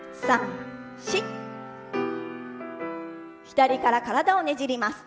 左から体をねじります。